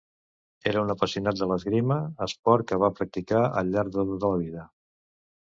Era un apassionat de l'esgrima, esport que va practicar al llarg de tota la vida.